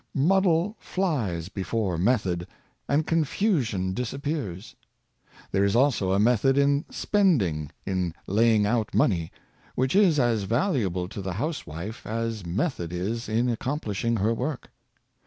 Muddle flies before method, and con fusion disappears. There is also a method in spend ing— in laying out money — which is as valuable to the housewife as method is in accomplishing her work.